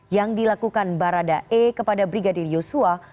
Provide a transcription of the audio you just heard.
yang dilakukan barada e kepada brigadir yosua